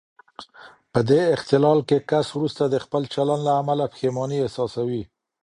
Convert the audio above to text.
په دې اختلال کې کس وروسته د خپل چلن له امله پښېماني احساسوي.